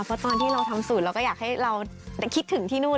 เพราะตอนที่เราทำสูตรเราก็อยากให้เราคิดถึงที่นู่น